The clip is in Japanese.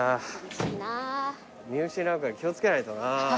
見失うから気を付けないとな。